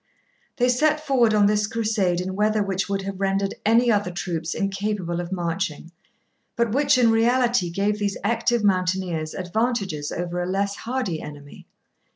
They set forward on this crusade in weather which would have rendered any other troops incapable of marching, but which in reality gave these active mountaineers advantages over a less hardy enemy.